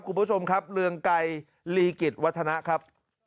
คุณผู้ชมครับเรืองไกรลีกิจวัฒนะครับ